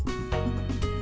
chúng ta phải đi đâu